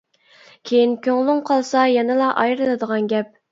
كېيىن كۆڭلۈڭ قالسا، يەنىلا ئايرىلىدىغان گەپ.